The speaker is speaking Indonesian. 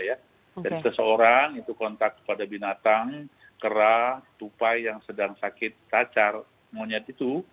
jadi seseorang itu kontak kepada binatang kera tupai yang sedang sakit tacar monyet itu